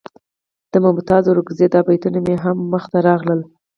د ممتاز اورکزي دا بیتونه مې هم مخې ته راغلل.